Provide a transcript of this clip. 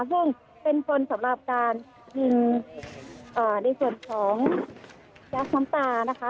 ซึ่งเป็นคนสำหรับการยิงในส่วนของแก๊สน้ำตานะคะ